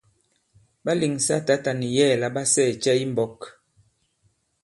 Ɓa lèŋsa tǎta nì yɛ̌ɛ̀ la ɓa sɛɛ̀ cɛ i mbɔ̄k?